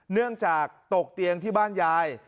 เนื่องจากตกเตียงที่บ้านยาย